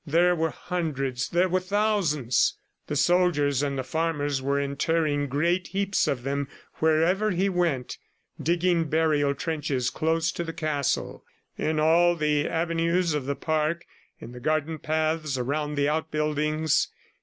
There were hundreds, there were thousands. The soldiers and the farmers were interring great heaps of them wherever he went, digging burial trenches close to the castle, in all the avenues of the park, in the garden paths, around the outbuildings.